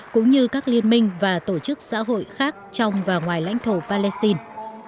cũng như các liên minh và tổ chức xã hội khác trong và ngoài lãnh thổ palestine